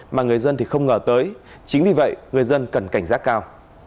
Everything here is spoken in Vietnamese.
mà người dân thì không ngờ tới chính vì vậy người dân cần cảnh giác cao